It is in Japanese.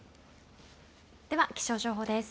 では気象情報です。